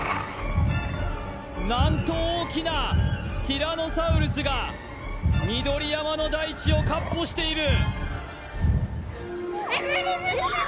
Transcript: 何と大きなティラノサウルスが緑山の大地をかっ歩しているえっ何？